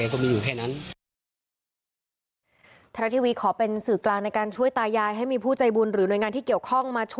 ก็ยกบ้านได้อยู่สักห้องนึง